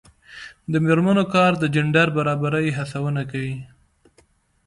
د میرمنو کار د جنډر برابرۍ هڅونه کوي.